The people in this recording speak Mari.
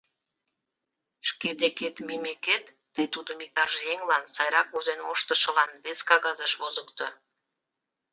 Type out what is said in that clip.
Шке декет мийымекет, тый тудым иктаж еҥлан, сайрак возен моштышылан, вес кагазыш возыкто.